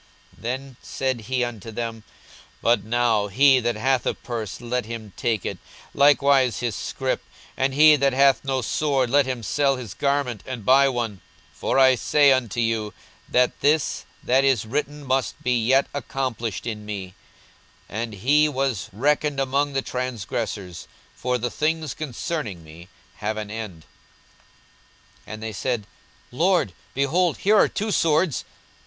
42:022:036 Then said he unto them, But now, he that hath a purse, let him take it, and likewise his scrip: and he that hath no sword, let him sell his garment, and buy one. 42:022:037 For I say unto you, that this that is written must yet be accomplished in me, And he was reckoned among the transgressors: for the things concerning me have an end. 42:022:038 And they said, Lord, behold, here are two swords.